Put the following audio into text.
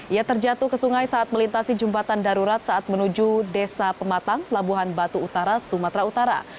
ia terjatuh ke sungai saat melintasi jembatan darurat saat menuju desa pematang labuhan batu utara sumatera utara